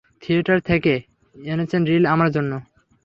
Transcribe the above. Theatre থেকে এনেছেন reel আমার জন্য।